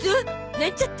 なんちゃって！